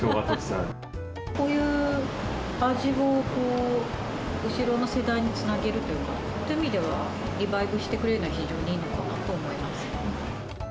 こういう味を後ろの世代につなげるという意味では、リバイブしてくれるのは、非常にいいのかなと思います。